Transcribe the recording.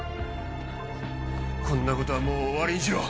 こんなことはもう終わりにしよう。